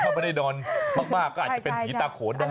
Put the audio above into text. ถ้าไม่ได้นอนมากก็อาจจะเป็นผีตาโขนได้